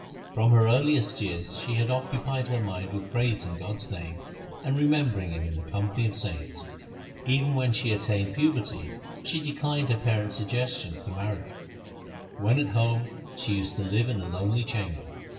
From her earliest years she had occupied her mind with praising God's name and remembering Him in the company of saints. Even when she attained puberty she de clined her parents' suggestions to marry. When at home, she used to dwell in a lonely chamber.